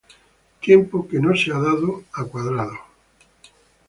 Tiempo que no ha sido dado a Cuadrado.